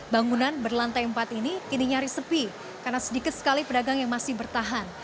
bangunan berlantai empat ini kini nyaris sepi karena sedikit sekali pedagang yang masih bertahan